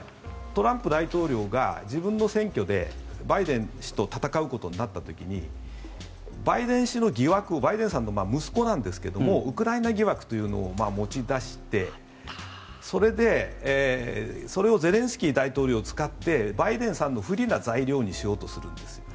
トランプ大統領が自分の選挙でバイデン氏と戦う時になった時にバイデン氏の疑惑バイデンさんの息子なんですけどウクライナ疑惑というのを持ち出してそれをゼレンスキー大統領を使ってバイデンさんの不利な材料にしようとするんです。